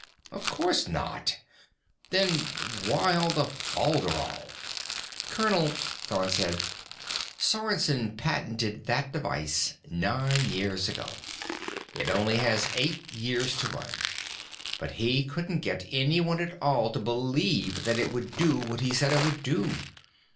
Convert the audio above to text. "Of course not." "Then why all the folderol?" "Colonel," Thorn said, "Sorensen patented that device nine years ago. It only has eight years to run. But he couldn't get anyone at all to believe that it would do what he said it would do.